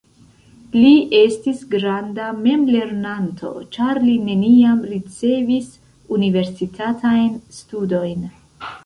Li estis granda memlernanto ĉar li neniam ricevis universitatajn studojn.